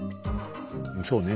そうね。